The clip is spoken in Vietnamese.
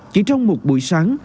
chỉ trong một buổi sáng